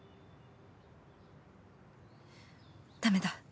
駄目だ。